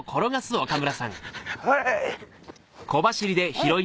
はい。